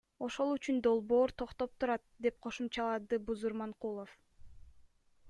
Ошол үчүн долбоор токтоп турат, — деп кошумчалады Бузурманкулов.